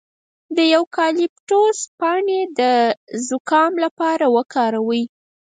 د یوکالیپټوس پاڼې د زکام لپاره وکاروئ